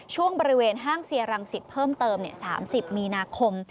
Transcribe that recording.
ช่วงบริเวณห้างเซียรังสิตเพิ่มเติม๓๐มีนาคม